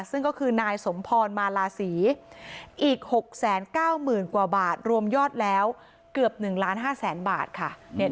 ซึ่งก็คือนายสมพรมาลาศรีอีก๖๙๐๐๐กว่าบาทรวมยอดแล้วเกือบ๑๕๐๐๐๐บาทค่ะ